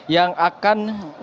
yang akan memperbaikinya